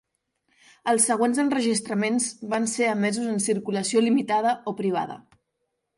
Els següents enregistraments van ser emesos en circulació limitada o privada.